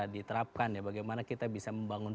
diterapkan ya bagaimana kita bisa membangun